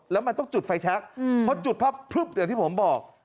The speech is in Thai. แล้วมันต้องจุดไฟแช็คเพราะจุดพับพลึบอย่างที่ผมบอก